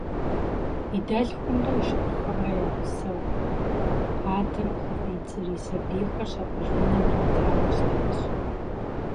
И дэлъхумрэ и шыпхъухэмрэ я гъусэу адэм къыхыфӀидзэри, сабийхэр щапӀыж унэм иратауэ щытащ.